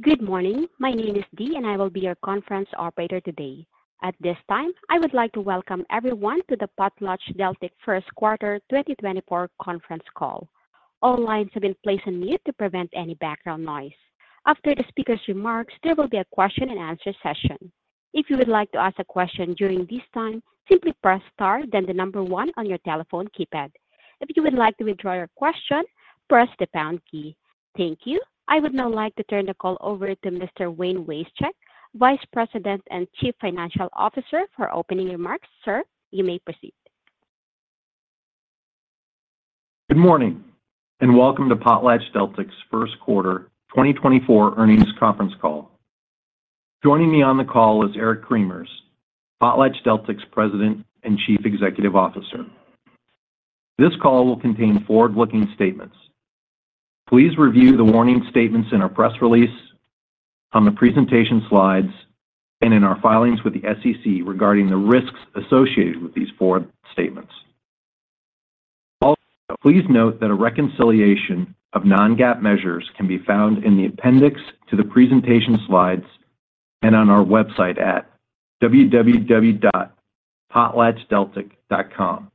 Good morning. My name is Dee, and I will be your conference operator today. At this time, I would like to welcome everyone to the PotlatchDeltic first quarter 2024 conference call. All lines have been placed on mute to prevent any background noise. After the speaker's remarks, there will be a question-and-answer session. If you would like to ask a question during this time, simply press Star, then the number one on your telephone keypad. If you would like to withdraw your question, press the pound key. Thank you. I would now like to turn the call over to Mr. Wayne Wasechek, Vice President and Chief Financial Officer, for opening remarks. Sir, you may proceed. Good morning, and welcome to PotlatchDeltic's first quarter 2024 earnings conference call. Joining me on the call is Eric Cremers, PotlatchDeltic's President and Chief Executive Officer. This call will contain forward-looking statements. Please review the warning statements in our press release, on the presentation slides, and in our filings with the SEC regarding the risks associated with these forward statements. Also, please note that a reconciliation of non-GAAP measures can be found in the appendix to the presentation slides and on our website at www.potlatchdeltic.com.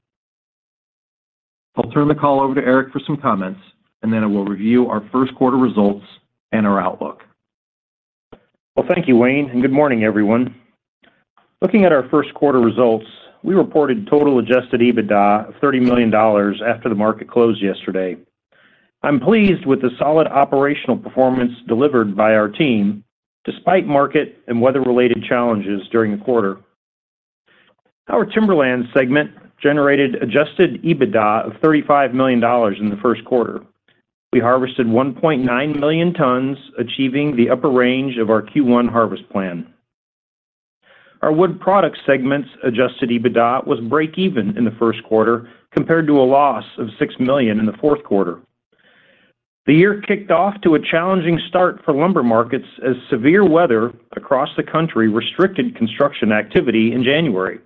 I'll turn the call over to Eric for some comments, and then I will review our first quarter results and our outlook. Well, thank you, Wayne, and good morning, everyone. Looking at our first quarter results, we reported total adjusted EBITDA of $30 million after the market closed yesterday. I'm pleased with the solid operational performance delivered by our team despite market and weather-related challenges during the quarter. Our Timberland segment generated adjusted EBITDA of $35 million in the first quarter. We harvested 1.9 million tons, achieving the upper range of our Q1 harvest plan. Our Wood Products segment's adjusted EBITDA was break even in the first quarter, compared to a loss of $6 million in the fourth quarter. The year kicked off to a challenging start for lumber markets as severe weather across the country restricted construction activity in January.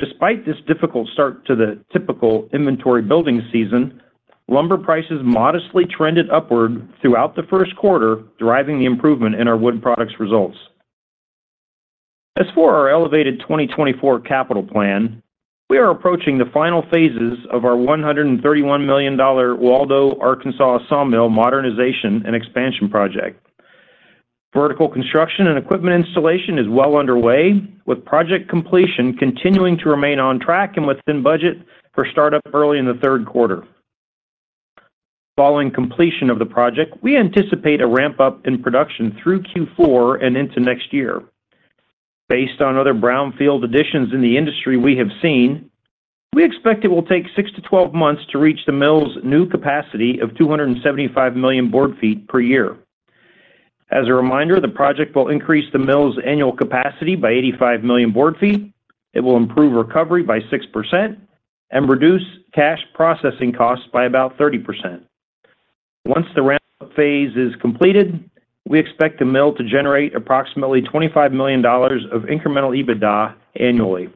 Despite this difficult start to the typical inventory building season, lumber prices modestly trended upward throughout the first quarter, driving the improvement in our Wood Products results. As for our elevated 2024 capital plan, we are approaching the final phases of our $131 million Waldo, Arkansas sawmill modernization and expansion project. Vertical construction and equipment installation is well underway, with project completion continuing to remain on track and within budget for startup early in the third quarter. Following completion of the project, we anticipate a ramp-up in production through Q4 and into next year. Based on other brownfield additions in the industry we have seen, we expect it will take 6-12 months to reach the mill's new capacity of 275 million board feet per year. As a reminder, the project will increase the mill's annual capacity by 85 million board feet. It will improve recovery by 6% and reduce cash processing costs by about 30%. Once the ramp-up phase is completed, we expect the mill to generate approximately $25 million of incremental EBITDA annually.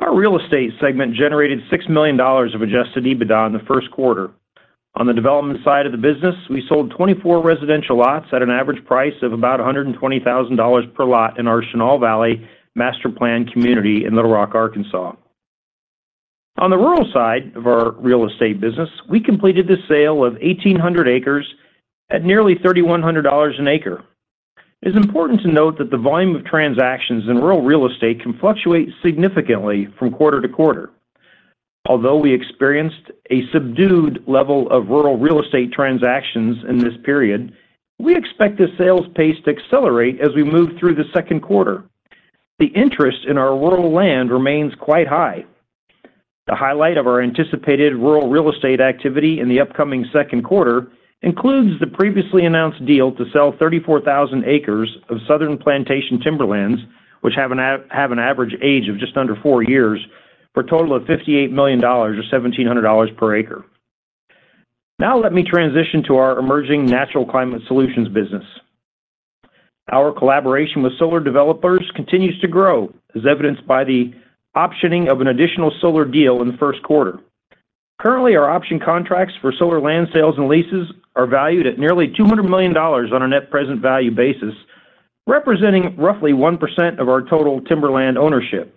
Our Real Estate segment generated $6 million of adjusted EBITDA in the first quarter. On the development side of the business, we sold 24 residential lots at an average price of about $120,000 per lot in our Chenal Valley master plan community in Little Rock, Arkansas. On the rural side of our real estate business, we completed the sale of 1,800 acres at nearly $3,100 an acre. It's important to note that the volume of transactions in rural real estate can fluctuate significantly from quarter-to-quarter. Although we experienced a subdued level of rural real estate transactions in this period, we expect the sales pace to accelerate as we move through the second quarter. The interest in our rural land remains quite high. The highlight of our anticipated rural real estate activity in the upcoming second quarter includes the previously announced deal to sell 34,000 acres of Southern plantation timberlands, which have an average age of just under four years, for a total of $58 million or $1,700 per acre. Now let me transition to our emerging natural climate solutions business. Our collaboration with solar developers continues to grow, as evidenced by the optioning of an additional solar deal in the first quarter. Currently, our option contracts for solar land sales and leases are valued at nearly $200 million on a net present value basis, representing roughly 1% of our total timberland ownership.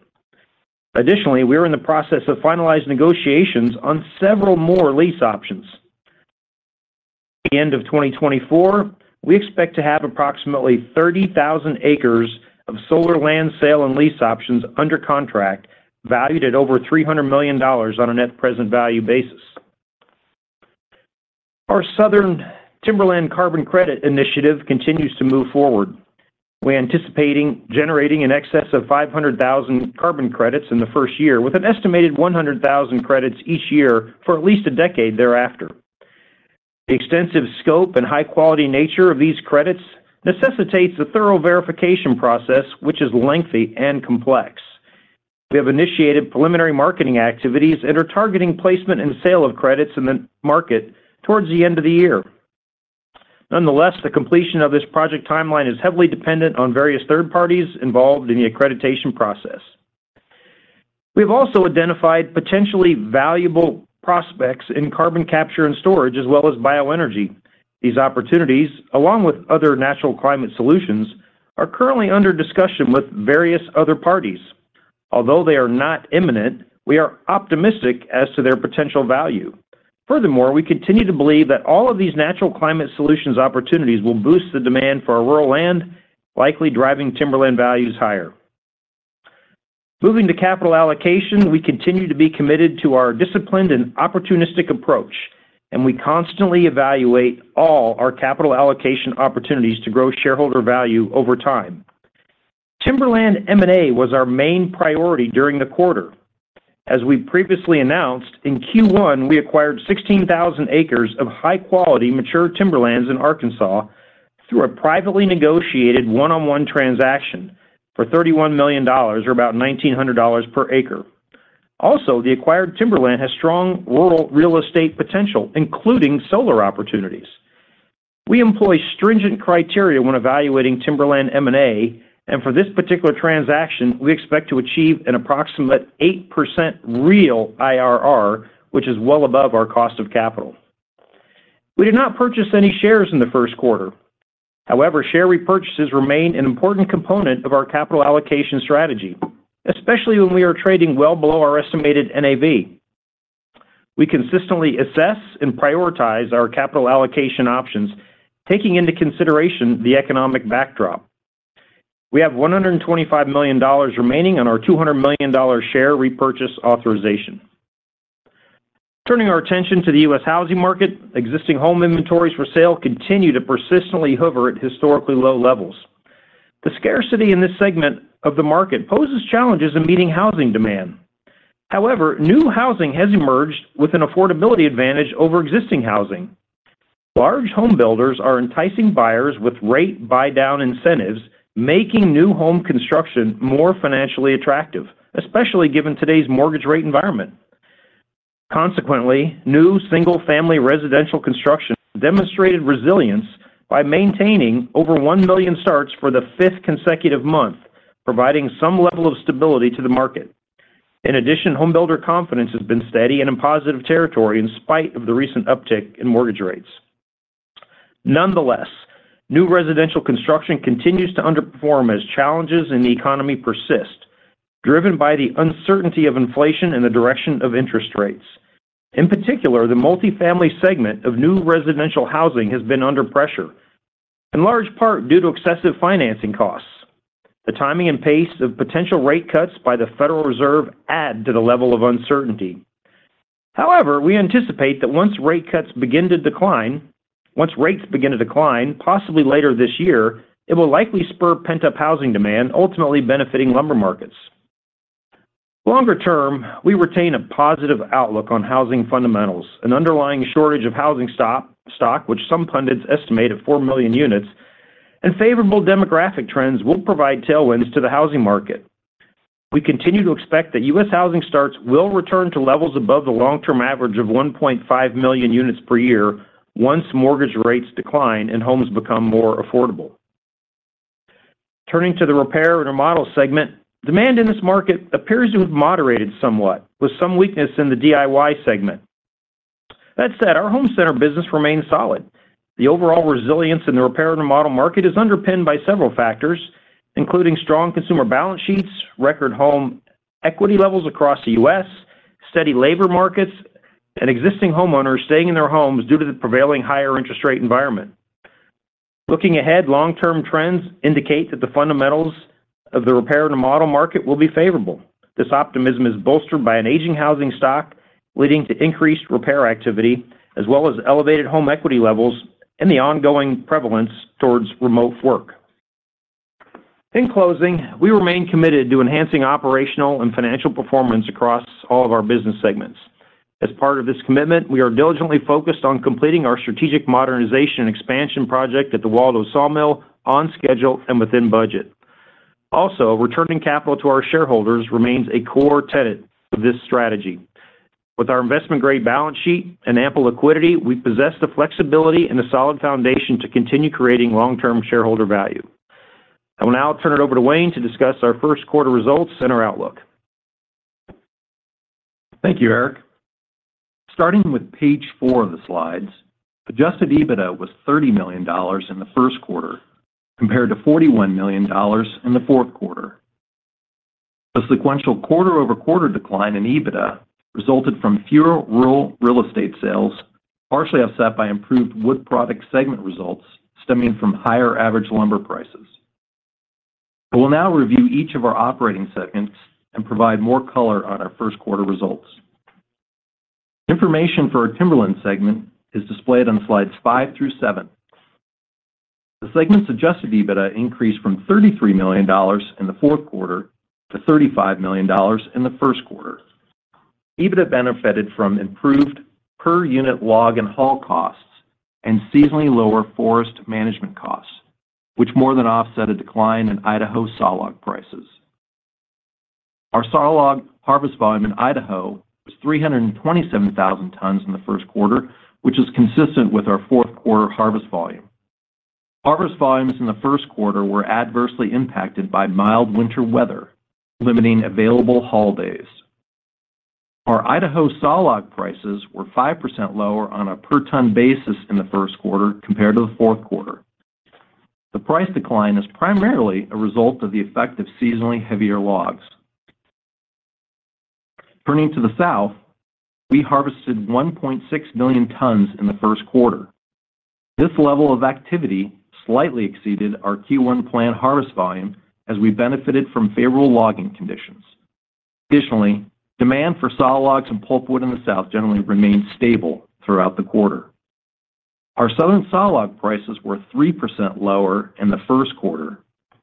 Additionally, we are in the process of finalizing negotiations on several more lease options. At the end of 2024, we expect to have approximately 30,000 acres of solar land sale and lease options under contract, valued at over $300 million on a net present value basis. Our Southern Timberland Carbon Credit Initiative continues to move forward. We're anticipating generating in excess of 500,000 carbon credits in the first year, with an estimated 100,000 credits each year for at least a decade thereafter. The extensive scope and high-quality nature of these credits necessitates a thorough verification process, which is lengthy and complex. We have initiated preliminary marketing activities and are targeting placement and sale of credits in the market towards the end of the year. Nonetheless, the completion of this project timeline is heavily dependent on various third parties involved in the accreditation process. We've also identified potentially valuable prospects in carbon capture and storage, as well as bioenergy. These opportunities, along with other natural climate solutions, are currently under discussion with various other parties. Although they are not imminent, we are optimistic as to their potential value. Furthermore, we continue to believe that all of these natural climate solutions opportunities will boost the demand for our rural land, likely driving timberland values higher. Moving to capital allocation, we continue to be committed to our disciplined and opportunistic approach, and we constantly evaluate all our capital allocation opportunities to grow shareholder value over time. Timberland M&A was our main priority during the quarter. As we previously announced, in Q1, we acquired 16,000 acres of high-quality, mature timberlands in Arkansas through a privately negotiated one-on-one transaction for $31 million, or about $1,900 per acre. Also, the acquired timberland has strong rural real estate potential, including solar opportunities. We employ stringent criteria when evaluating timberland M&A, and for this particular transaction, we expect to achieve an approximate 8% real IRR, which is well above our cost of capital. We did not purchase any shares in the first quarter. However, share repurchases remain an important component of our capital allocation strategy, especially when we are trading well below our estimated NAV. We consistently assess and prioritize our capital allocation options, taking into consideration the economic backdrop. We have $125 million remaining on our $200 million share repurchase authorization. Turning our attention to the U.S. housing market, existing home inventories for sale continue to persistently hover at historically low levels. The scarcity in this segment of the market poses challenges in meeting housing demand. However, new housing has emerged with an affordability advantage over existing housing. Large home builders are enticing buyers with rate buy-down incentives, making new home construction more financially attractive, especially given today's mortgage rate environment. Consequently, new single-family residential construction demonstrated resilience by maintaining over 1 million starts for the fifth consecutive month, providing some level of stability to the market. In addition, home builder confidence has been steady and in positive territory, in spite of the recent uptick in mortgage rates. Nonetheless, new residential construction continues to underperform as challenges in the economy persist, driven by the uncertainty of inflation and the direction of interest rates. In particular, the multifamily segment of new residential housing has been under pressure, in large part due to excessive financing costs. The timing and pace of potential rate cuts by the Federal Reserve add to the level of uncertainty. However, we anticipate that once rates begin to decline, possibly later this year, it will likely spur pent-up housing demand, ultimately benefiting lumber markets. Longer term, we retain a positive outlook on housing fundamentals. An underlying shortage of housing stock, which some pundits estimate at 4 million units, and favorable demographic trends will provide tailwinds to the housing market. We continue to expect that U.S. housing starts will return to levels above the long-term average of 1.5 million units per year once mortgage rates decline and homes become more affordable. Turning to the repair and remodel segment, demand in this market appears to have moderated somewhat, with some weakness in the DIY segment. That said, our home center business remains solid. The overall resilience in the repair and remodel market is underpinned by several factors, including strong consumer balance sheets, record home equity levels across the U.S., steady labor markets, and existing homeowners staying in their homes due to the prevailing higher interest rate environment. Looking ahead, long-term trends indicate that the fundamentals of the repair and remodel market will be favorable. This optimism is bolstered by an aging housing stock, leading to increased repair activity, as well as elevated home equity levels and the ongoing prevalence towards remote work. In closing, we remain committed to enhancing operational and financial performance across all of our business segments. As part of this commitment, we are diligently focused on completing our strategic modernization and expansion project at the Waldo sawmill on schedule and within budget. Also, returning capital to our shareholders remains a core tenet of this strategy. With our investment-grade balance sheet and ample liquidity, we possess the flexibility and the solid foundation to continue creating long-term shareholder value. I will now turn it over to Wayne to discuss our first quarter results and our outlook. Thank you, Eric. Starting with page four of the slides, adjusted EBITDA was $30 million in the first quarter, compared to $41 million in the fourth quarter. The sequential quarter-over-quarter decline in EBITDA resulted from fewer rural real estate sales, partially offset by improved wood product segment results stemming from higher average lumber prices. I will now review each of our operating segments and provide more color on our first quarter results. Information for our timberland segment is displayed on slides five through seven. The segment's adjusted EBITDA increased from $33 million in the fourth quarter to $35 million in the first quarter. EBITDA benefited from improved per-unit log and haul costs and seasonally lower forest management costs, which more than offset a decline in Idaho sawlog prices. Our sawlog harvest volume in Idaho was 327,000 tons in the first quarter, which is consistent with our fourth quarter harvest volume. Harvest volumes in the first quarter were adversely impacted by mild winter weather, limiting available haul days. Our Idaho sawlog prices were 5% lower on a per-ton basis in the first quarter compared to the fourth quarter. The price decline is primarily a result of the effect of seasonally heavier logs. Turning to the South, we harvested 1.6 million tons in the first quarter. This level of activity slightly exceeded our Q1 planned harvest volume as we benefited from favorable logging conditions. Additionally, demand for sawlogs and pulpwood in the South generally remained stable throughout the quarter. Our Southern sawlog prices were 3% lower in the first quarter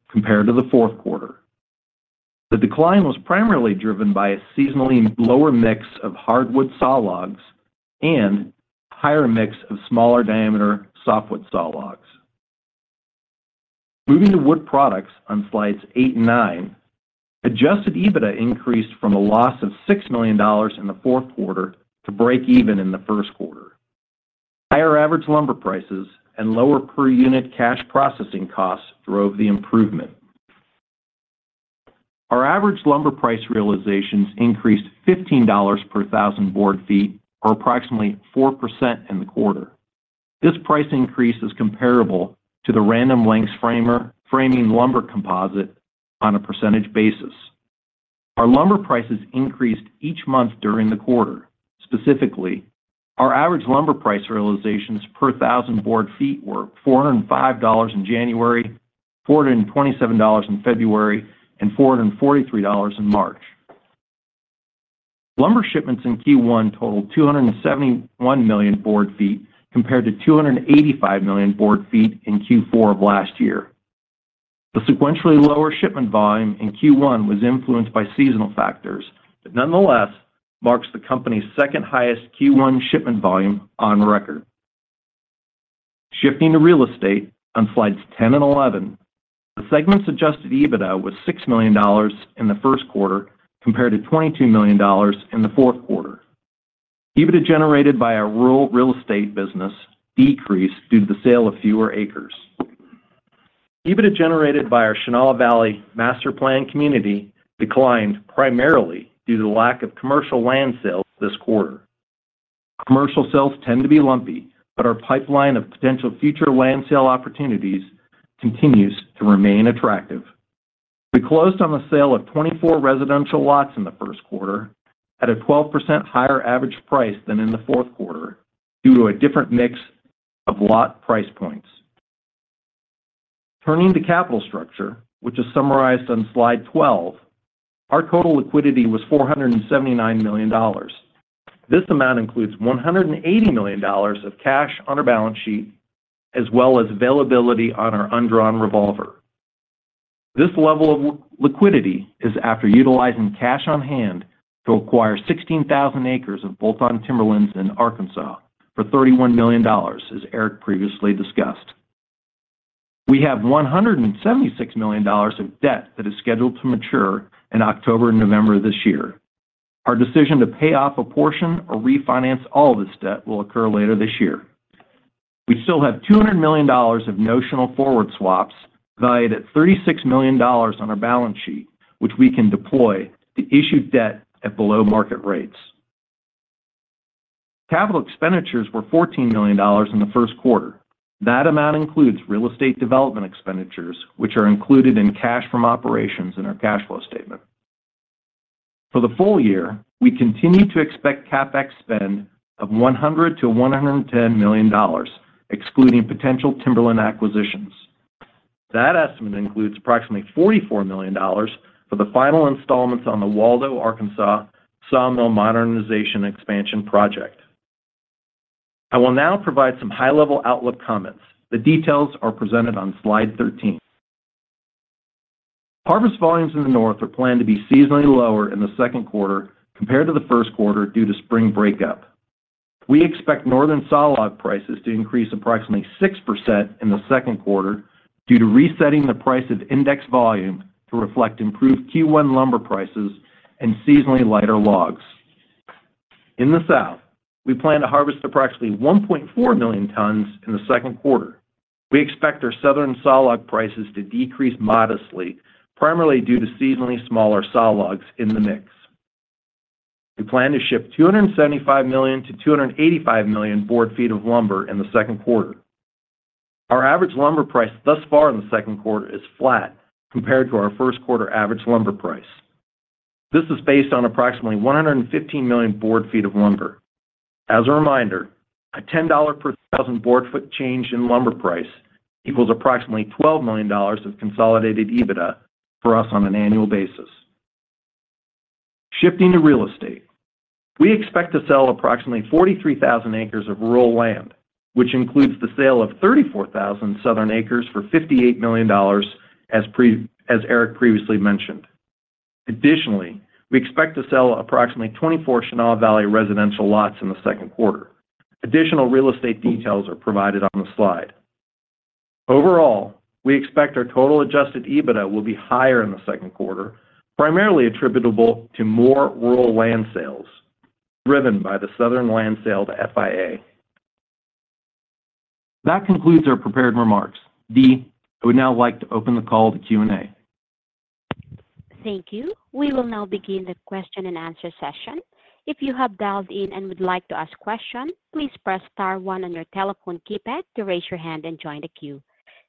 compared to the fourth quarter. The decline was primarily driven by a seasonally lower mix of hardwood sawlogs and higher mix of smaller diameter softwood sawlogs. Moving to Wood Products on slides eight and nine, Adjusted EBITDA increased from a loss of $6 million in the fourth quarter to breakeven in the first quarter. Higher average lumber prices and lower per-unit cash processing costs drove the improvement. Our average lumber price realizations increased $15 per thousand board feet, or approximately 4% in the quarter. This price increase is comparable to the Random Lengths framing lumber composite on a percentage basis. Our lumber prices increased each month during the quarter. Specifically, our average lumber price realizations per thousand board feet were $405 in January, $427 in February, and $443 in March. Lumber shipments in Q1 totaled 271 million board feet, compared to 285 million board feet in Q4 of last year. The sequentially lower shipment volume in Q1 was influenced by seasonal factors, but nonetheless, marks the company's second-highest Q1 shipment volume on record. Shifting to Real Estate on slides 10 and 11, the segment's adjusted EBITDA was $6 million in the first quarter, compared to $22 million in the fourth quarter. EBITDA generated by our rural real estate business decreased due to the sale of fewer acres. EBITDA generated by our Chenal Valley Master Plan Community declined primarily due to the lack of commercial land sales this quarter. Commercial sales tend to be lumpy, but our pipeline of potential future land sale opportunities continues to remain attractive. We closed on the sale of 24 residential lots in the first quarter at a 12% higher average price than in the fourth quarter, due to a different mix of lot price points. Turning to capital structure, which is summarized on slide 12, our total liquidity was $479 million. This amount includes $180 million of cash on our balance sheet, as well as availability on our undrawn revolver. This level of liquidity is after utilizing cash on hand to acquire 16,000 acres of bolt-on timberlands in Arkansas for $31 million, as Eric previously discussed. We have $176 million of debt that is scheduled to mature in October and November of this year. Our decision to pay off a portion or refinance all this debt will occur later this year. We still have $200 million of notional forward swaps valued at $36 million on our balance sheet, which we can deploy to issue debt at below-market rates. Capital expenditures were $14 million in the first quarter. That amount includes real estate development expenditures, which are included in cash from operations in our cash flow statement. For the full year, we continue to expect CapEx spend of $100 million-$110 million, excluding potential timberland acquisitions. That estimate includes approximately $44 million for the final installments on the Waldo, Arkansas, sawmill modernization expansion project. I will now provide some high-level outlook comments. The details are presented on slide 13. Harvest volumes in the North are planned to be seasonally lower in the second quarter compared to the first quarter due to spring breakup. We expect Northern sawlog prices to increase approximately 6% in the second quarter due to resetting the price of index volume to reflect improved Q1 lumber prices and seasonally lighter logs. In the South, we plan to harvest approximately 1.4 million tons in the second quarter. We expect our Southern sawlog prices to decrease modestly, primarily due to seasonally smaller sawlogs in the mix. We plan to ship 275 million-285 million board feet of lumber in the second quarter. Our average lumber price thus far in the second quarter is flat compared to our first quarter average lumber price. This is based on approximately 115 million board feet of lumber. As a reminder, a $10 per thousand board foot change in lumber price equals approximately $12 million of consolidated EBITDA for us on an annual basis. Shifting to real estate, we expect to sell approximately 43,000 acres of rural land, which includes the sale of 34,000 Southern acres for $58 million, as Eric previously mentioned. Additionally, we expect to sell approximately 24 Chenal Valley residential lots in the second quarter. Additional real estate details are provided on the slide. Overall, we expect our total adjusted EBITDA will be higher in the second quarter, primarily attributable to more rural land sales, driven by the Southern land sale to FIA. That concludes our prepared remarks. Dee, I would now like to open the call to Q&A. Thank you. We will now begin the question-and-answer session. If you have dialed in and would like to ask a question, please press star one on your telephone keypad to raise your hand and join the queue.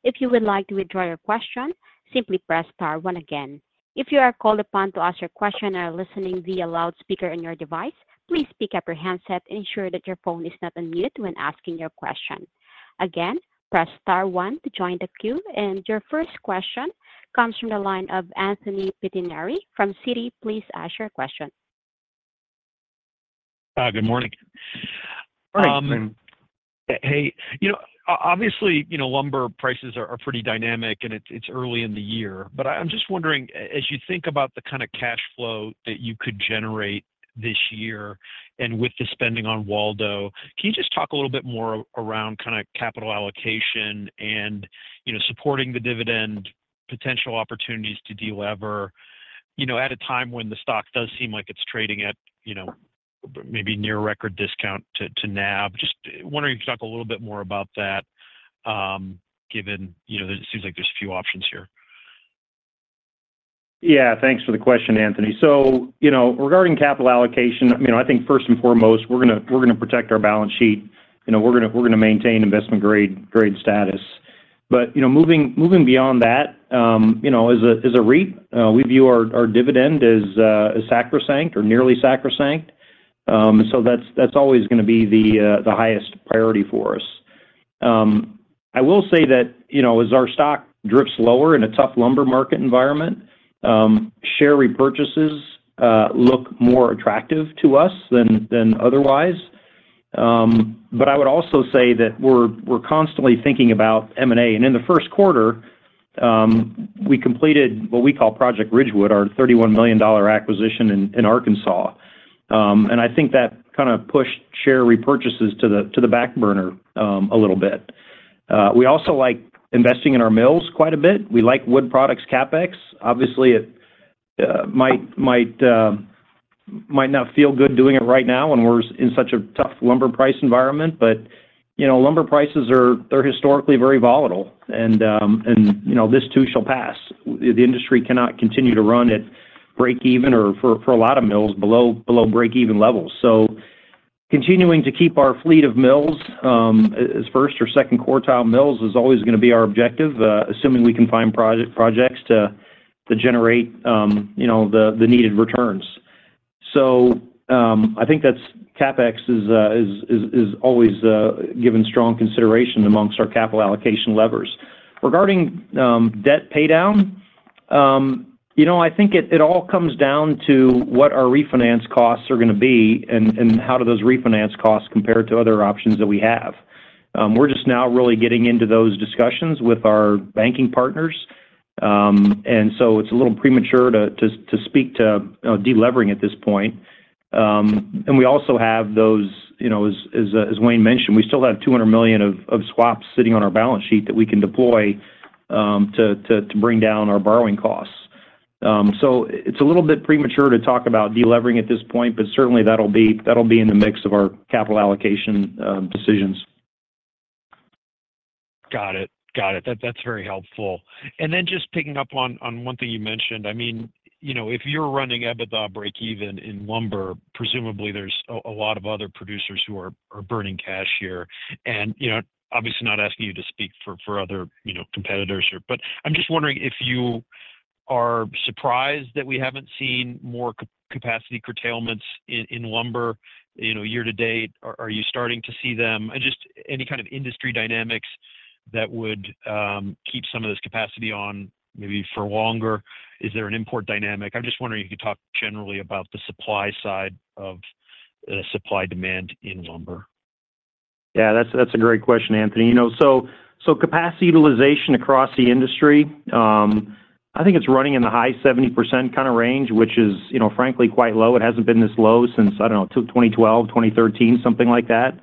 If you would like to withdraw your question, simply press star one again. If you are called upon to ask your question and are listening via loudspeaker on your device, please pick up your handset and ensure that your phone is not on mute when asking your question. Again, press star one to join the queue. And your first question comes from the line of Anthony Pettinari from Citi. Please ask your question. Good morning. Hi, Anthony. Hey, you know, obviously, you know, lumber prices are pretty dynamic, and it's early in the year, but I'm just wondering, as you think about the kind of cash flow that you could generate this year and with the spending on Waldo, can you just talk a little bit more around kind of capital allocation and, you know, supporting the dividend potential opportunities to delever, you know, at a time when the stock does seem like it's trading at, you know, maybe near record discount to, to NAV? Just wondering if you could talk a little bit more about that, given, you know, it seems like there's a few options here. Yeah, thanks for the question, Anthony. So, you know, regarding capital allocation, you know, I think first and foremost, we're gonna protect our balance sheet. You know, we're gonna maintain investment-grade status. But, you know, moving beyond that, you know, as a REIT, we view our dividend as sacrosanct or nearly sacrosanct. So that's always gonna be the highest priority for us. I will say that, you know, as our stock drifts lower in a tough lumber market environment, share repurchases look more attractive to us than otherwise. But I would also say that we're constantly thinking about M&A. And in the first quarter, we completed what we call Project Ridgewood, our $31 million acquisition in Arkansas. And I think that kind of pushed share repurchases to the back burner a little bit. We also like investing in our mills quite a bit. We like wood products CapEx. Obviously, it might not feel good doing it right now when we're in such a tough lumber price environment, but, you know, lumber prices are, they're historically very volatile, and, you know, this too shall pass. The industry cannot continue to run at breakeven or, for a lot of mills, below breakeven levels. So continuing to keep our fleet of mills as first or second quartile mills is always gonna be our objective, assuming we can find projects to generate, you know, the needed returns. So, I think that's CapEx is always given strong consideration amongst our capital allocation levers. Regarding debt paydown, you know, I think it all comes down to what our refinance costs are gonna be and how do those refinance costs compare to other options that we have. We're just now really getting into those discussions with our banking partners. And so it's a little premature to speak to delevering at this point. And we also have those, you know, as Wayne mentioned, we still have $200 million of swaps sitting on our balance sheet that we can deploy to bring down our borrowing costs. So it's a little bit premature to talk about delevering at this point, but certainly that'll be in the mix of our capital allocation decisions. Got it. Got it. That's very helpful. And then just picking up on one thing you mentioned, I mean, you know, if you're running EBITDA break even in lumber, presumably there's a lot of other producers who are burning cash here. And, you know, obviously not asking you to speak for other competitors here, but I'm just wondering if you are surprised that we haven't seen more capacity curtailments in lumber year to date. Are you starting to see them? And just any kind of industry dynamics that would keep some of this capacity on maybe for longer. Is there an import dynamic? I'm just wondering if you could talk generally about the supply side of the supply-demand in lumber. Yeah, that's, that's a great question, Anthony. You know, so, so capacity utilization across the industry, I think it's running in the high 70% kind of range, which is, you know, frankly, quite low. It hasn't been this low since, I don't know, 2012, 2013, something like that.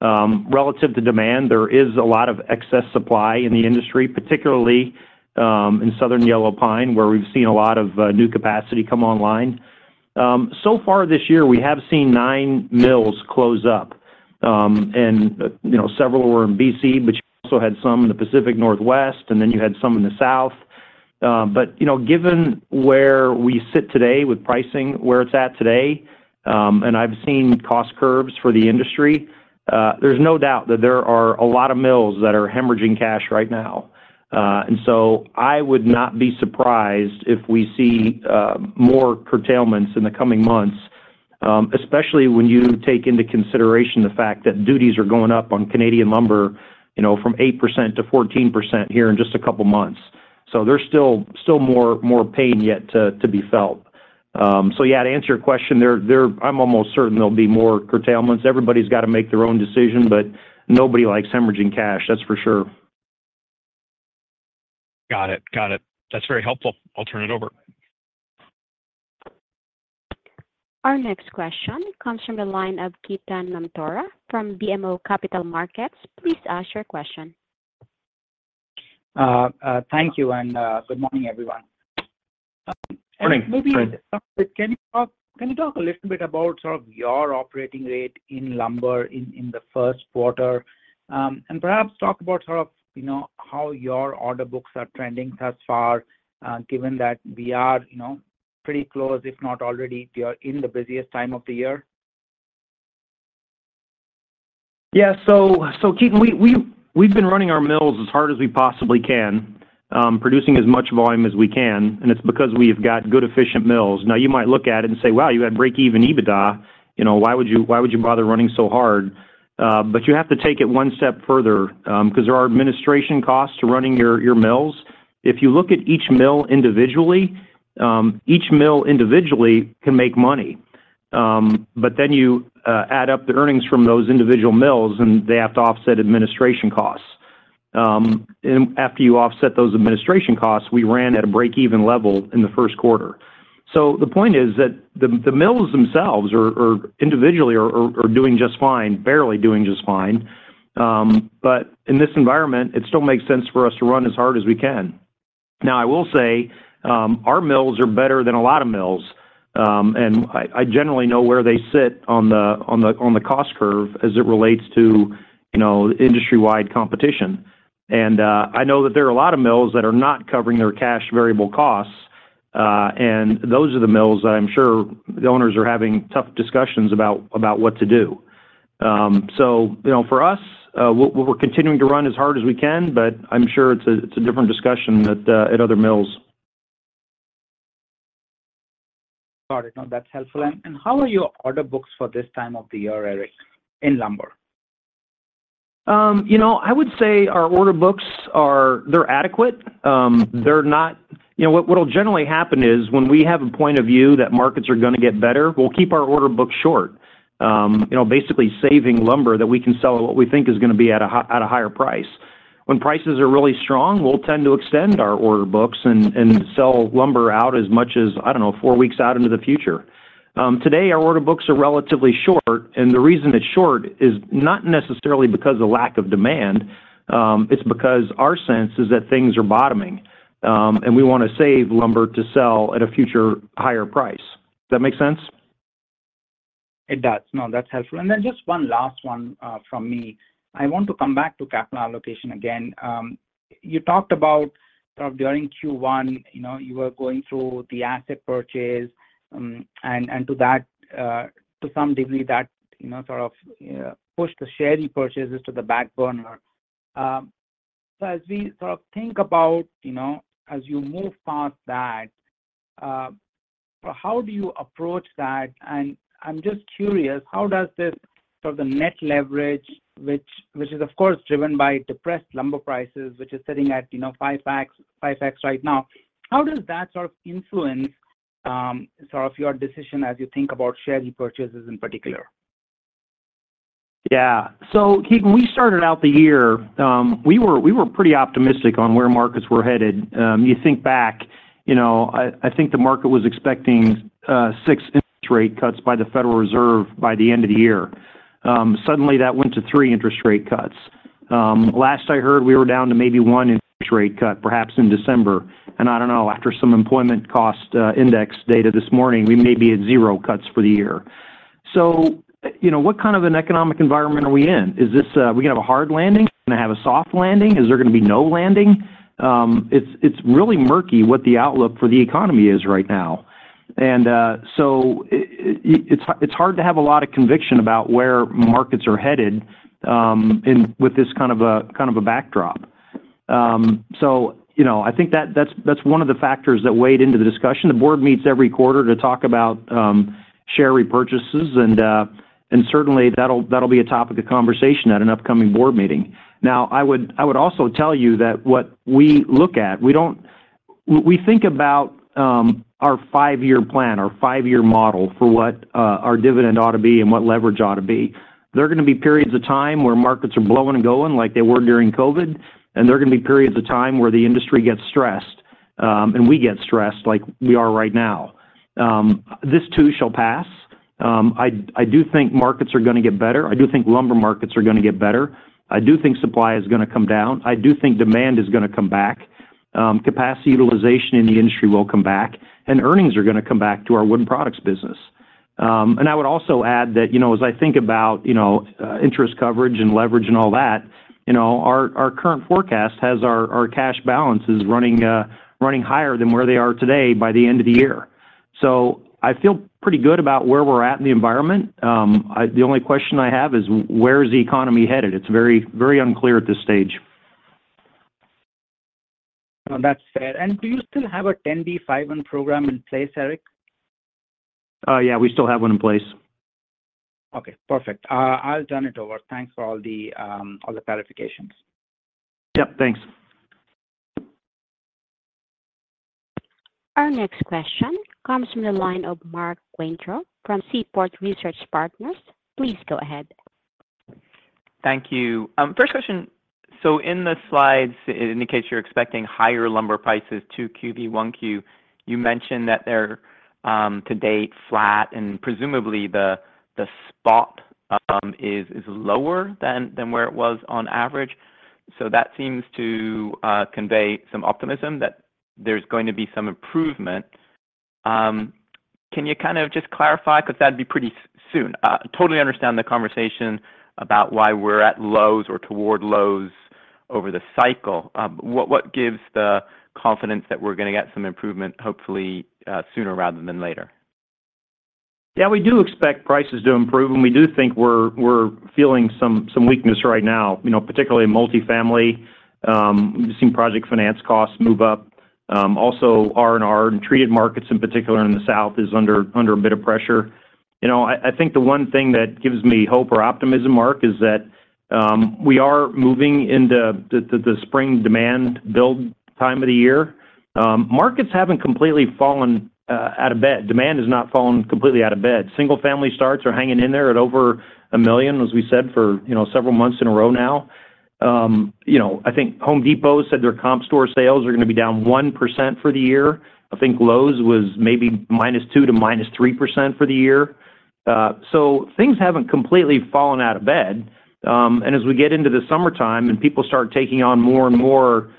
Relative to demand, there is a lot of excess supply in the industry, particularly, in southern yellow pine, where we've seen a lot of, new capacity come online. So far this year, we have seen nine mills close up. And, you know, several were in BC, but you also had some in the Pacific Northwest, and then you had some in the South. But, you know, given where we sit today with pricing, where it's at today, and I've seen cost curves for the industry, there's no doubt that there are a lot of mills that are hemorrhaging cash right now. And so I would not be surprised if we see more curtailments in the coming months, especially when you take into consideration the fact that duties are going up on Canadian lumber, you know, from 8%-14% here in just a couple of months. So there's still more pain yet to be felt. So yeah, to answer your question, I'm almost certain there'll be more curtailments. Everybody's got to make their own decision, but nobody likes hemorrhaging cash, that's for sure. Got it. Got it. That's very helpful. I'll turn it over. Our next question comes from the line of Ketan Mamtora from BMO Capital Markets. Please ask your question. Thank you, and good morning, everyone. Morning. Maybe, can you talk a little bit about sort of your operating rate in lumber in the first quarter? Perhaps talk about sort of, you know, how your order books are trending thus far, given that we are, you know, pretty close, if not already, we are in the busiest time of the year. Yeah. So, Ketan, we've been running our mills as hard as we possibly can, producing as much volume as we can, and it's because we've got good, efficient mills. Now, you might look at it and say, "Wow, you had break-even EBITDA, you know, why would you bother running so hard?" But you have to take it one step further, 'cause there are administration costs to running your mills. If you look at each mill individually, each mill individually can make money. But then you add up the earnings from those individual mills, and they have to offset administration costs. And after you offset those administration costs, we ran at a break-even level in the first quarter. The point is that the mills themselves are individually doing just fine, barely doing just fine. In this environment, it still makes sense for us to run as hard as we can. Now, I will say, our mills are better than a lot of mills, and I generally know where they sit on the cost curve as it relates to, you know, industry-wide competition. I know that there are a lot of mills that are not covering their cash variable costs, and those are the mills that I'm sure the owners are having tough discussions about what to do. You know, for us, we're continuing to run as hard as we can, but I'm sure it's a different discussion at other mills. Got it. No, that's helpful. How are your order books for this time of the year, Eric, in lumber? You know, I would say our order books are... They're adequate. You know what, what will generally happen is, when we have a point of view that markets are gonna get better, we'll keep our order book short, you know, basically saving lumber that we can sell at what we think is gonna be at a high- at a higher price. When prices are really strong, we'll tend to extend our order books and, and sell lumber out as much as, I don't know, four weeks out into the future. Today, our order books are relatively short, and the reason it's short is not necessarily because of lack of demand, it's because our sense is that things are bottoming, and we wanna save lumber to sell at a future higher price. Does that make sense? It does. No, that's helpful. And then just one last one from me. I want to come back to capital allocation again. You talked about sort of during Q1, you know, you were going through the asset purchase, and to that to some degree, that, you know, sort of pushed the share repurchases to the back burner. So as we sort of think about, you know, as you move past that, how do you approach that? And I'm just curious, how does this, sort of, the net leverage, which is, of course, driven by depressed lumber prices, which is sitting at, you know, 5x right now, how does that sort of influence sort of your decision as you think about share repurchases in particular? Yeah. So, Ketan, we started out the year, we were, we were pretty optimistic on where markets were headed. You think back, you know, I, I think the market was expecting, six interest rate cuts by the Federal Reserve by the end of the year. Suddenly, that went to three interest rate cuts. Last I heard, we were down to maybe one interest rate cut, perhaps in December. And I don't know, after some Employment Cost Index data this morning, we may be at zero cuts for the year. So, you know, what kind of an economic environment are we in? Is this... Are we gonna have a hard landing? Are we gonna have a soft landing? Is there gonna be no landing? It's, it's really murky what the outlook for the economy is right now. So it's hard, it's hard to have a lot of conviction about where markets are headed, with this kind of a, kind of a backdrop. So you know, I think that, that's, that's one of the factors that weighed into the discussion. The board meets every quarter to talk about, share repurchases, and, and certainly, that'll, that'll be a topic of conversation at an upcoming board meeting. Now, I would, I would also tell you that what we look at, we don't. We, we think about, our five-year plan, our five-year model for what, our dividend ought to be and what leverage ought to be. There are gonna be periods of time where markets are blowing and going, like they were during COVID, and there are gonna be periods of time where the industry gets stressed, and we get stressed like we are right now. This too shall pass. I do think markets are gonna get better. I do think lumber markets are gonna get better. I do think supply is gonna come down. I do think demand is gonna come back. Capacity utilization in the industry will come back, and earnings are gonna come back to our wooden products business. And I would also add that, you know, as I think about, you know, interest coverage and leverage and all that, you know, our current forecast has our cash balances running higher than where they are today by the end of the year. So I feel pretty good about where we're at in the environment. The only question I have is: Where is the economy headed? It's very, very unclear at this stage. No, that's fair. Do you still have a 10b5-1 program in place, Eric? Yeah, we still have one in place. Okay, perfect. I'll turn it over. Thanks for all the, all the clarifications. Yep, thanks. Our next question comes from the line of Mark Weintraub from Seaport Research Partners. Please go ahead. Thank you, first question: So in the slides, it indicates you're expecting higher lumber prices 2Q v 1Q. You mentioned that they're to date, flat, and presumably, the spot is lower than where it was on average. So that seems to convey some optimism that there's going to be some improvement. Can you kind of just clarify? Because that'd be pretty soon. I totally understand the conversation about why we're at lows or toward lows over the cycle. What gives the confidence that we're gonna get some improvement, hopefully sooner rather than later? Yeah, we do expect prices to improve, and we do think we're feeling some weakness right now. You know, particularly in multifamily, we've seen project finance costs move up. Also, R&R and treated markets in particular in the South is under a bit of pressure. You know, I think the one thing that gives me hope or optimism, Mark, is that we are moving into the spring demand build time of the year. Markets haven't completely fallen out of bed. Demand has not fallen completely out of bed. Single-family starts are hanging in there at over 1 million, as we said, for several months in a row now. You know, I think Home Depot said their comp store sales are gonna be down 1% for the year. I think Lowe's was maybe -2% to -3% for the year. So things haven't completely fallen out of bed. And as we get into the summertime and people start taking on more and more,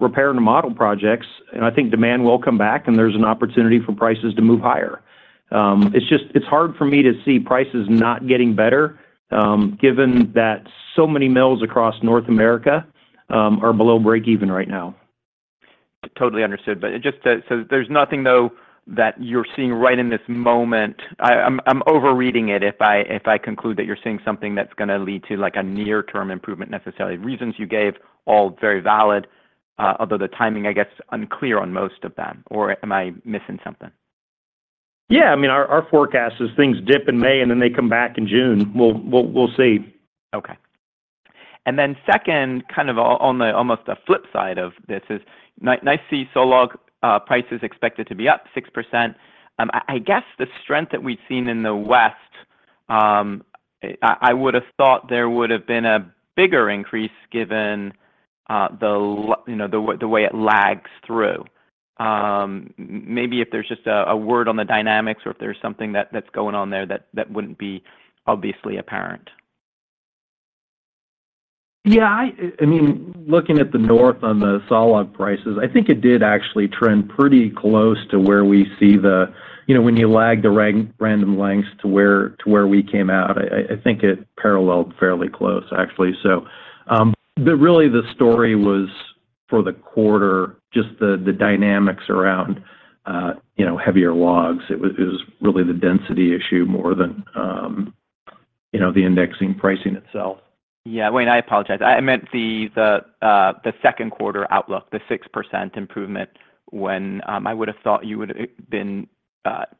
repair and model projects, and I think demand will come back, and there's an opportunity for prices to move higher. It's just, it's hard for me to see prices not getting better, given that so many mills across North America are below breakeven right now. Totally understood. But it just that—so there's nothing, though, that you're seeing right in this moment... I'm overreading it if I conclude that you're seeing something that's gonna lead to, like, a near-term improvement, necessarily. Reasons you gave, all very valid, although the timing, I guess, unclear on most of them, or am I missing something? Yeah. I mean, our forecast is things dip in May, and then they come back in June. We'll see. Okay. And then second, kind of on the almost flip side of this is nice to see sawlog prices expected to be up 6%. I guess the strength that we've seen in the West. I would have thought there would have been a bigger increase given the way, you know, the way it lags through. Maybe if there's just a word on the dynamics or if there's something that's going on there that wouldn't be obviously apparent. Yeah, I mean, looking at the North on the sawlog prices, I think it did actually trend pretty close to where we see the... You know, when you lag the Random Lengths to where, to where we came out, I think it paralleled fairly close, actually. So, really, the story was for the quarter, just the dynamics around, you know, heavier logs. It was really the density issue more than, you know, the indexing pricing itself. Yeah. Wait, I apologize. I meant the second quarter outlook, the 6% improvement, when I would have thought you would have been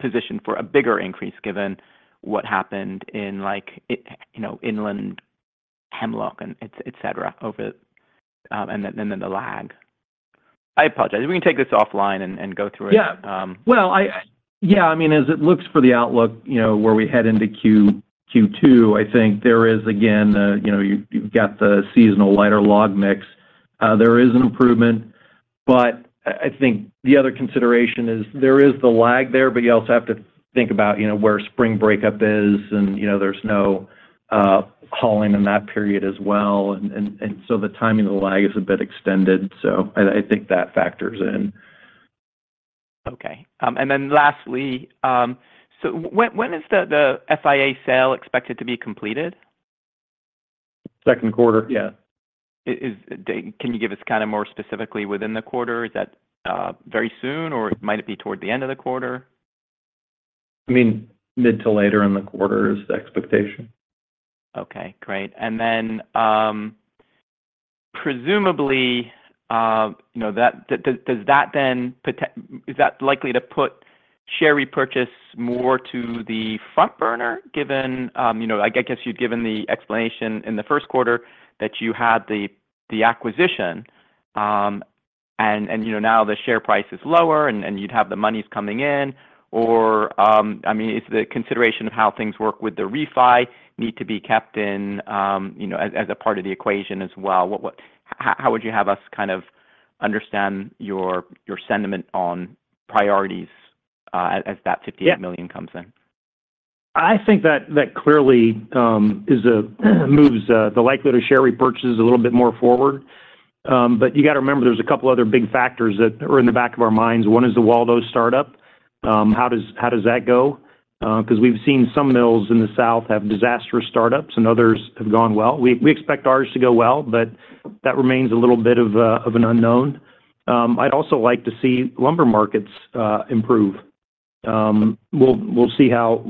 positioned for a bigger increase given what happened in, like, you know, inland hemlock and et cetera, over, and then the lag. I apologize. We can take this offline and go through it. Yeah. Um- Well, yeah, I mean, as it looks for the outlook, you know, where we head into Q2, I think there is, again, you know, you've got the seasonal lighter log mix. There is an improvement, but I think the other consideration is there is the lag there, but you also have to think about, you know, where spring breakup is, and, you know, there's no hauling in that period as well. And so the timing of the lag is a bit extended, so I think that factors in. Okay. And then lastly, so when is the FIA sale expected to be completed? Second quarter. Yeah. Can you give us kind of more specifically within the quarter? Is that very soon, or might it be toward the end of the quarter? I mean, mid to later in the quarter is the expectation. Okay, great. And then, presumably, you know, that... Does that then is that likely to put share repurchase more to the front burner, given... You know, I guess you'd given the explanation in the first quarter that you had the acquisition, and, you know, now the share price is lower, and you'd have the monies coming in. Or, I mean, is the consideration of how things work with the refi need to be kept in, you know, as a part of the equation as well? What... How would you have us kind of understand your sentiment on priorities, as that- Yeah... $58 million comes in? I think that clearly is a move, the likelihood of share repurchases a little bit more forward. But you got to remember, there's a couple other big factors that are in the back of our minds. One is the Waldo startup. How does that go? Because we've seen some mills in the South have disastrous startups, and others have gone well. We expect ours to go well, but that remains a little bit of an unknown. I'd also like to see lumber markets improve. We'll see how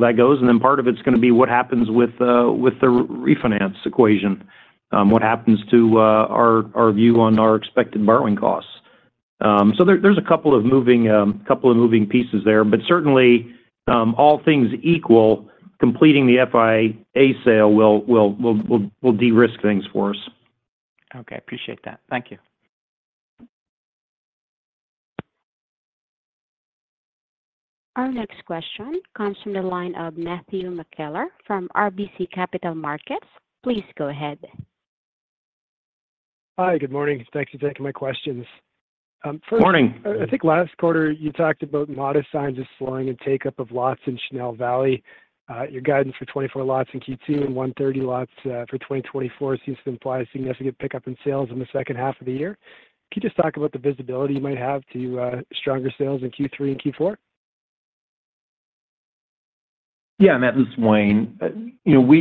that goes, and then part of it's gonna be what happens with the refinance equation, what happens to our view on our expected borrowing costs. So, there's a couple of moving pieces there, but certainly, all things equal, completing the FIA sale will de-risk things for us. Okay, appreciate that. Thank you. Our next question comes from the line of Matthew McKellar from RBC Capital Markets. Please go ahead. Hi, good morning. Thanks for taking my questions. First- Morning. I think last quarter you talked about modest signs of slowing and takeup of lots in Chenal Valley. Your guidance for 24 lots in Q2 and 130 lots for 2024 seems to imply a significant pickup in sales in the second half of the year. Can you just talk about the visibility you might have to stronger sales in Q3 and Q4? ... Yeah, Matt, this is Wayne. You know,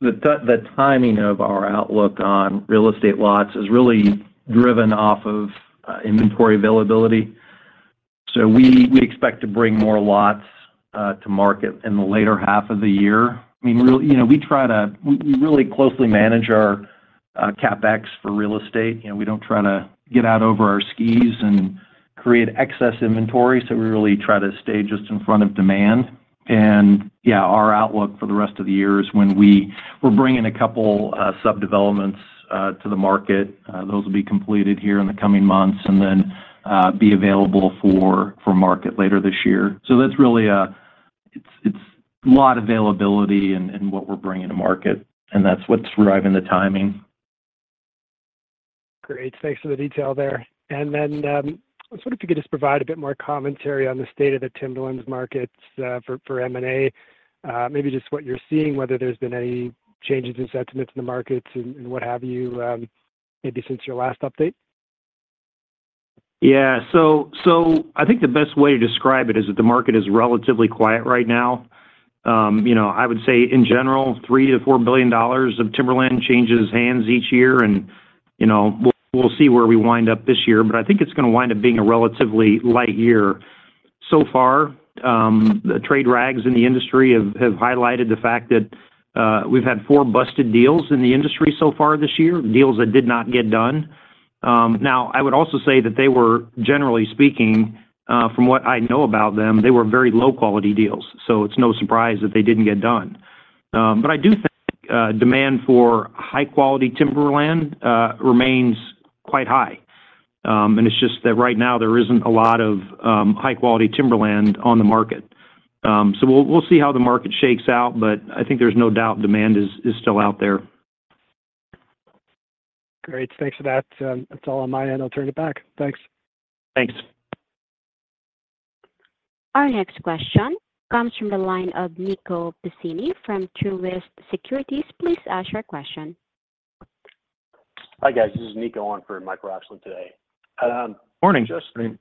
the timing of our outlook on real estate lots is really driven off of inventory availability. So we expect to bring more lots to market in the later half of the year. I mean, real-- you know, we try to-- we really closely manage our CapEx for real estate. You know, we don't try to get out over our skis and create excess inventory, so we really try to stay just in front of demand. And yeah, our outlook for the rest of the year is when we're bringing a couple sub developments to the market. Those will be completed here in the coming months, and then be available for market later this year. So that's really, it's lot availability and what we're bringing to market, and that's what's driving the timing. Great. Thanks for the detail there. And then, I was wondering if you could just provide a bit more commentary on the state of the timberlands markets, for M&A. Maybe just what you're seeing, whether there's been any changes in sentiments in the markets and what have you, maybe since your last update. Yeah. So I think the best way to describe it is that the market is relatively quiet right now. You know, I would say in general, $3 billion-$4 billion of timberland changes hands each year, and, you know, we'll see where we wind up this year, but I think it's gonna wind up being a relatively light year. So far, the trade rags in the industry have highlighted the fact that we've had four busted deals in the industry so far this year, deals that did not get done. Now, I would also say that they were, generally speaking, from what I know about them, they were very low-quality deals, so it's no surprise that they didn't get done. But I do think demand for high-quality timberland remains quite high. And it's just that right now there isn't a lot of high-quality timberland on the market. So we'll see how the market shakes out, but I think there's no doubt demand is still out there. Great. Thanks for that. That's all on my end. I'll turn it back. Thanks. Thanks. Our next question comes from the line of Nico Pacini from Truist Securities. Please ask your question. Hi, guys. This is Nico on for Mike Roxland today. Morning. Morning.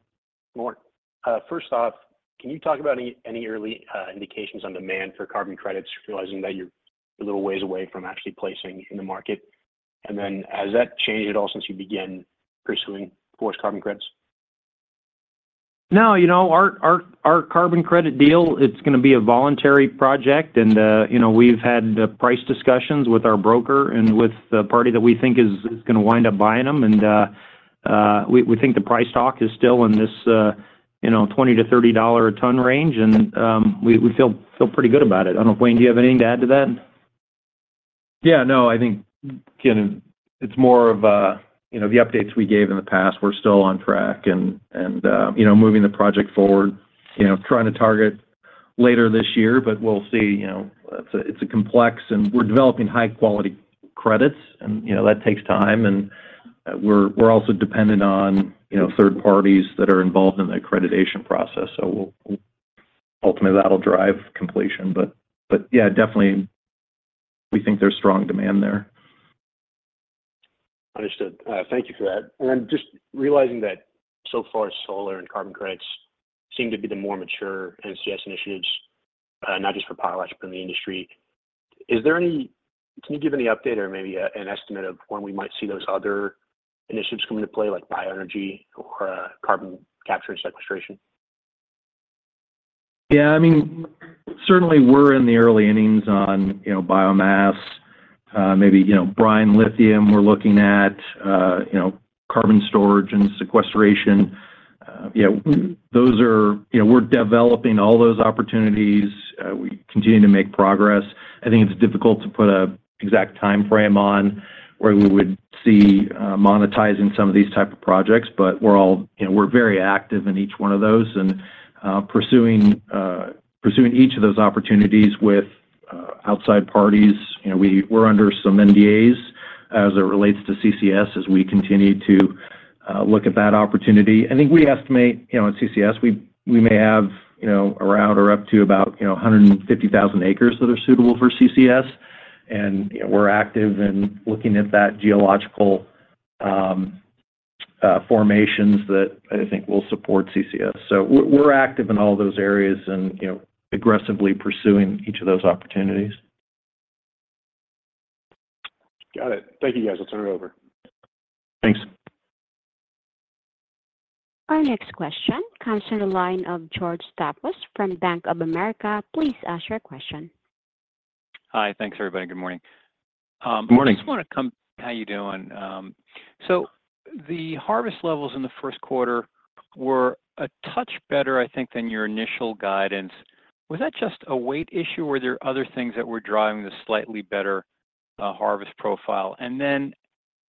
Morning. First off, can you talk about any, any early indications on demand for carbon credits, realizing that you're a little ways away from actually placing in the market? And then, has that changed at all since you began pursuing forest carbon credits? No, you know, our carbon credit deal, it's gonna be a voluntary project, and you know, we've had price discussions with our broker and with the party that we think is gonna wind up buying them. And we think the price talk is still in this $20-$30 a ton range, and we feel pretty good about it. I don't know, Wayne, do you have anything to add to that? Yeah, no, I think, again, it's more of, you know, the updates we gave in the past. We're still on track and you know, moving the project forward, you know, trying to target later this year, but we'll see. You know, it's a complex, and we're developing high-quality credits, and, you know, that takes time, and we're also dependent on, you know, third parties that are involved in the accreditation process. So ultimately, that'll drive completion. But yeah, definitely, we think there's strong demand there. Understood. Thank you for that. And then just realizing that so far, solar and carbon credits seem to be the more mature NCS initiatives, not just for Potlatch but in the industry, Can you give any update or maybe an estimate of when we might see those other initiatives come into play, like bioenergy or carbon capture and sequestration? Yeah, I mean, certainly we're in the early innings on, you know, biomass, maybe, you know, brine lithium, we're looking at, you know, carbon storage and sequestration. Yeah, those are, you know, we're developing all those opportunities. We continue to make progress. I think it's difficult to put a exact timeframe on where we would see, monetizing some of these type of projects, but we're all, you know, we're very active in each one of those and, pursuing, pursuing each of those opportunities with, outside parties. You know, we, we're under some NDAs as it relates to CCS, as we continue to, look at that opportunity. I think we estimate, you know, in CCS, we, we may have, you know, around or up to about, you know, 150,000 acres that are suitable for CCS, and, you know, we're active in looking at that geological formations that I think will support CCS. So we're, we're active in all those areas and, you know, aggressively pursuing each of those opportunities. Got it. Thank you, guys. I'll turn it over. Thanks. Our next question comes to the line of George Staphos from Bank of America. Please ask your question. Hi. Thanks, everybody. Good morning. Morning. How are you doing? So the harvest levels in the first quarter were a touch better, I think, than your initial guidance. Was that just a weight issue, or were there other things that were driving the slightly better harvest profile? And then,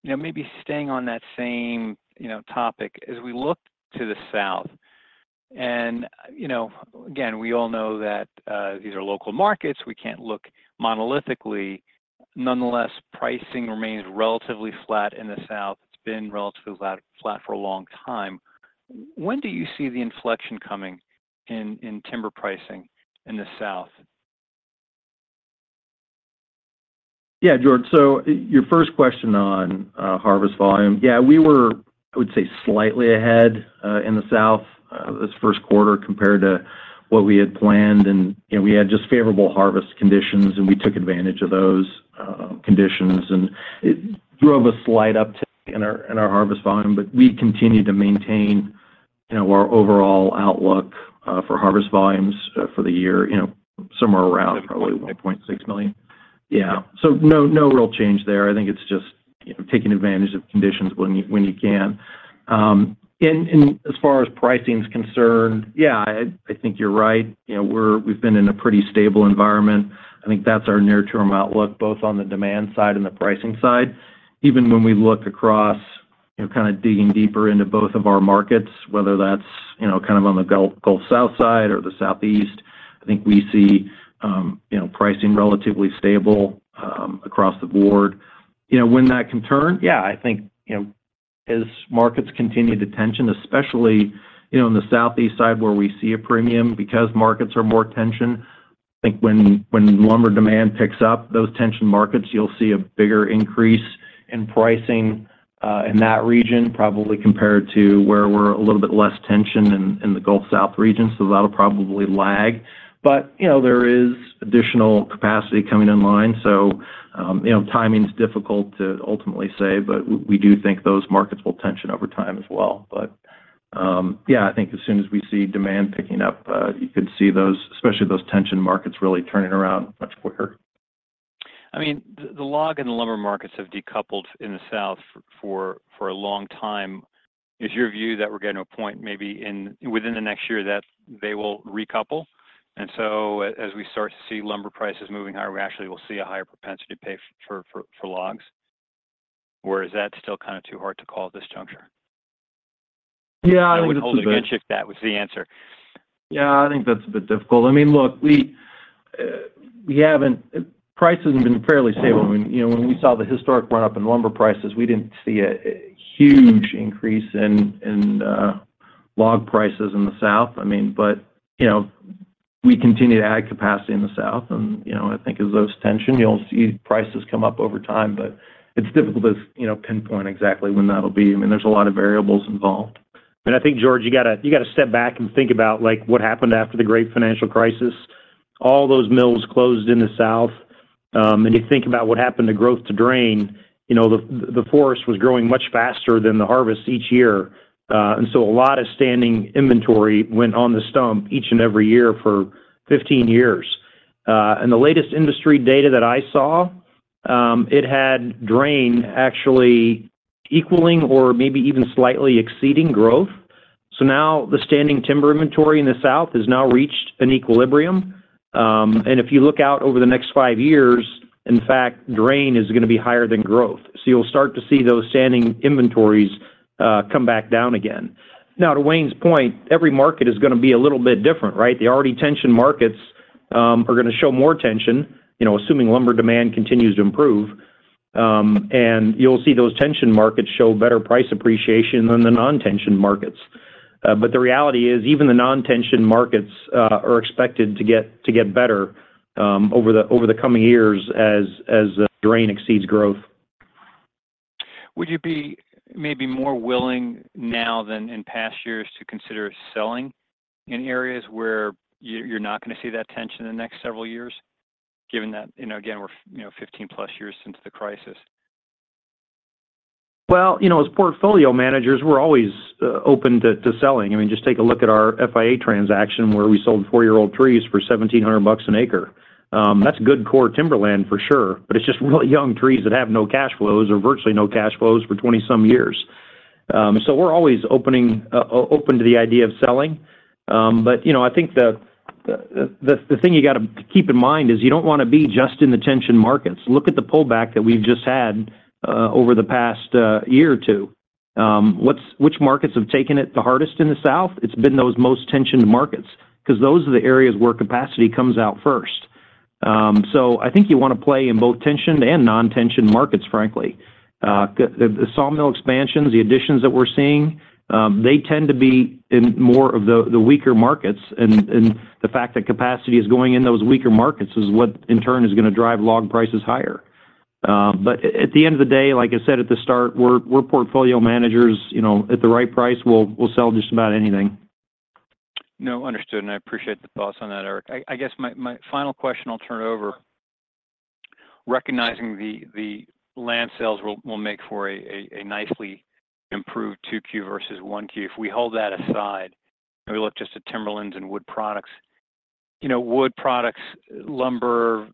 you know, maybe staying on that same, you know, topic, as we look to the South, and, you know, again, we all know that these are local markets. We can't look monolithically. Nonetheless, pricing remains relatively flat in the South. It's been relatively flat, flat for a long time. When do you see the inflection coming in, in timber pricing in the South?... Yeah, George, so your first question on harvest volume. Yeah, we were, I would say, slightly ahead in the South this first quarter compared to what we had planned. And, you know, we had just favorable harvest conditions, and we took advantage of those conditions, and it drove a slight uptick in our, in our harvest volume. But we continued to maintain, you know, our overall outlook for harvest volumes for the year, you know, somewhere around probably 0.6 million. Yeah. So no, no real change there. I think it's just, you know, taking advantage of conditions when you, when you can. And as far as pricing is concerned, yeah, I think you're right. You know, we're—we've been in a pretty stable environment. I think that's our near-term outlook, both on the demand side and the pricing side. Even when we look across, you know, kind of digging deeper into both of our markets, whether that's, you know, kind of on the Gulf, Gulf South side or the Southeast, I think we see, you know, pricing relatively stable, across the board. You know, when that can turn? Yeah, I think, you know, as markets continue to tension, especially, you know, in the Southeast side, where we see a premium because markets are more tension, I think when, when lumber demand picks up, those tension markets, you'll see a bigger increase in pricing, in that region, probably compared to where we're a little bit less tension in, in the Gulf South region, so that'll probably lag. But, you know, there is additional capacity coming online, so, you know, timing is difficult to ultimately say, but we do think those markets will tension over time as well. But, yeah, I think as soon as we see demand picking up, you could see those, especially those tension markets, really turning around much quicker. I mean, the log and the lumber markets have decoupled in the South for a long time. Is your view that we're getting to a point maybe within the next year that they will recouple? And so as we start to see lumber prices moving higher, we actually will see a higher propensity to pay for logs? Or is that still kind of too hard to call at this juncture? Yeah, I would- If that was the answer. Yeah, I think that's a bit difficult. I mean, look, we, we haven't... Prices have been fairly stable. I mean, you know, when we saw the historic run-up in lumber prices, we didn't see a huge increase in log prices in the South. I mean, but, you know, we continue to add capacity in the South, and, you know, I think as those tension, you'll see prices come up over time, but it's difficult to, you know, pinpoint exactly when that'll be. I mean, there's a lot of variables involved. I think, George, you got to, you got to step back and think about, like, what happened after the Great Financial Crisis. All those mills closed in the South. And you think about what happened to growth and drain, you know, the forest was growing much faster than the harvest each year. So a lot of standing inventory went on the stump each and every year for 15 years. And the latest industry data that I saw, it had drain actually equaling or maybe even slightly exceeding growth. So now the standing timber inventory in the South has now reached an equilibrium. And if you look out over the next 5 years, in fact, drain is going to be higher than growth. So you'll start to see those standing inventories come back down again. Now, to Wayne's point, every market is going to be a little bit different, right? The already tension markets are going to show more tension, you know, assuming lumber demand continues to improve. And you'll see those tension markets show better price appreciation than the non-tension markets. But the reality is, even the non-tension markets are expected to get better over the coming years as the drain exceeds growth. Would you be maybe more willing now than in past years to consider selling in areas where you're not going to see that tension in the next several years, given that, you know, again, you know, 15+ years since the crisis? Well, you know, as portfolio managers, we're always open to selling. I mean, just take a look at our FIA transaction, where we sold 4-year-old trees for $1,700 an acre. That's good core timberland for sure, but it's just really young trees that have no cash flows or virtually no cash flows for 20-some years. So we're always open to the idea of selling. But, you know, I think the thing you got to keep in mind is you don't want to be just in the tension markets. Look at the pullback that we've just had over the past year or two. Which markets have taken it the hardest in the South? It's been those most tensioned markets, 'cause those are the areas where capacity comes out first. So I think you want to play in both tensioned and non-tensioned markets, frankly. The sawmill expansions, the additions that we're seeing, they tend to be in more of the weaker markets, and the fact that capacity is going in those weaker markets is what in turn is going to drive log prices higher. But at the end of the day, like I said at the start, we're portfolio managers. You know, at the right price, we'll sell just about anything. No, understood, and I appreciate the thoughts on that, Eric. I guess my final question, I'll turn it over. Recognizing the land sales will make for a nicely improved 2Q versus 1Q. If we hold that aside and we look just at timberlands and wood products, you know, wood products, lumber,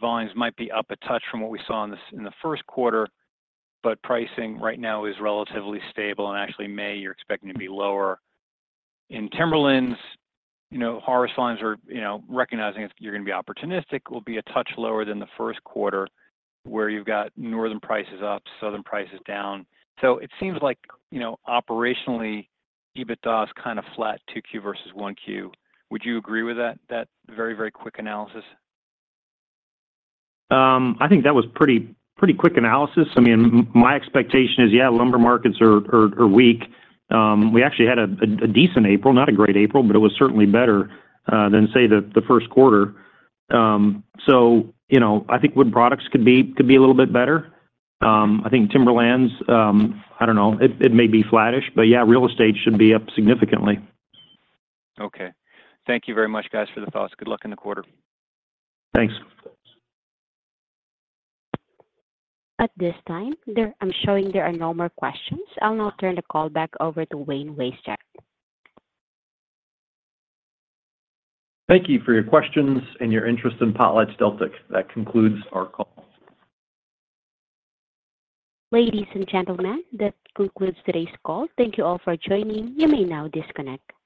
volumes might be up a touch from what we saw in the first quarter, but pricing right now is relatively stable, and actually May, you're expecting to be lower. In timberlands, you know, harvest lines are, you know, recognizing you're going to be opportunistic, will be a touch lower than the first quarter, where you've got Northern prices up, Southern prices down. So it seems like, you know, operationally, EBITDA is kind of flat, 2Q versus 1Q. Would you agree with that, that very, very quick analysis? I think that was pretty quick analysis. I mean, my expectation is, yeah, lumber markets are weak. We actually had a decent April, not a great April, but it was certainly better than, say, the first quarter. So, you know, I think wood products could be a little bit better. I think timberlands, I don't know, it may be flattish, but yeah, real estate should be up significantly. Okay. Thank you very much, guys, for the thoughts. Good luck in the quarter. Thanks. At this time, I'm showing there are no more questions. I'll now turn the call back over to Wayne Wasechek. Thank you for your questions and your interest in PotlatchDeltic. That concludes our call. Ladies and gentlemen, that concludes today's call. Thank you all for joining. You may now disconnect.